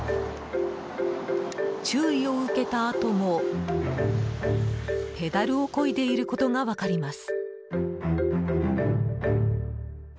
注意を受けたあとも、ペダルをこいでいることが分かります。